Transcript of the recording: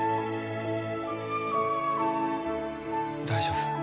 大丈夫？